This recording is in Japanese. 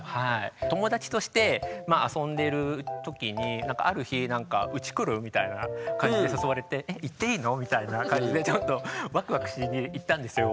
友達として遊んでる時にある日「うち来る？」みたいな感じで誘われてえっ行っていいの？みたいな感じでちょっとワクワクして行ったんですよ。